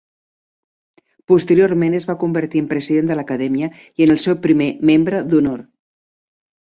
Posteriorment es va convertir en president de l'acadèmia i en el seu primer membre d'honor.